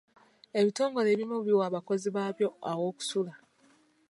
Ebitongole ebimu biwa abakozi baabyo aw'okusula.